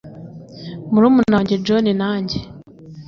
murumuna wanjye john na njye